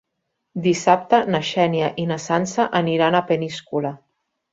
Dissabte na Xènia i na Sança aniran a Peníscola.